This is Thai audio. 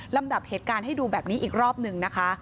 ลำดับเหตุการณ์ให้ดูแบบนี้อีกรอบหนึ่งนะคะ